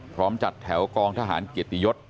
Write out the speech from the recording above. พร้อมจัดแถวกองทหารเกียรติยศ